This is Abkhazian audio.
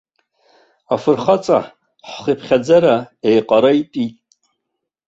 Афырхаҵа, ҳхыԥхьаӡара еиҟареитәит!